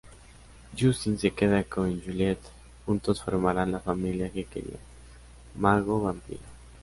Justin se queda con Juliet, juntos formarán la familia que querían, mago-vampira.